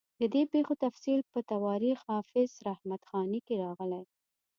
د دې پېښو تفصیل په تواریخ حافظ رحمت خاني کې راغلی.